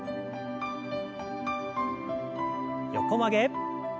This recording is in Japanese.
横曲げ。